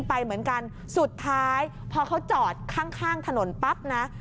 พอเค้าจอดข้างถนนปั๊บนะ